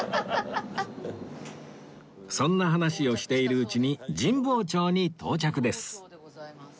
そんな話をしているうちに神保町に到着です